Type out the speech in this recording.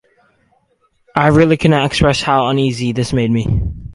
I really cannot express how uneasy this made me.